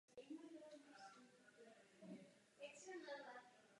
Pevně se mě držel, protože nechtěl, aby si ho vzali.